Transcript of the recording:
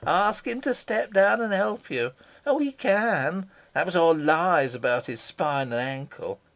Ask him to step down and help you. Oh, he can! That was all lies about his spine and ankle.